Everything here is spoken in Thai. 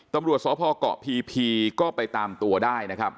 ตำรวจสพเกาะพีพีก็ไปตามตัวได้นะครับ